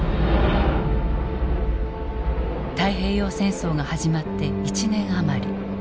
太平洋戦争が始まって１年余り。